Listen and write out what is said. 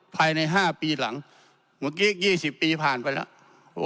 ภายในห้าปีหลังเมื่อกี้ยี่สิบปีผ่านไปแล้ว